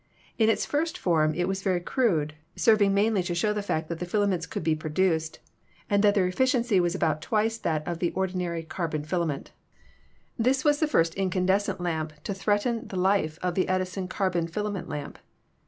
In its first form it was very crude, serving mainly to show the fact that the filaments could be produced and «hat their efficiency was about twice that of the ordinary HISTORY OF ELECTRIC LIGHTING 241 carbon filament. This was the first incandescent lamp to threaten the life of the Edison carbon filament lamp.